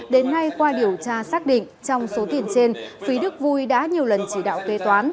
đến nay qua điều tra xác định trong số tiền trên phí đức vui đã nhiều lần chỉ đạo kê toán